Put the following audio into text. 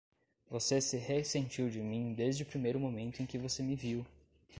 Você se ressentiu de mim desde o primeiro momento em que você me viu!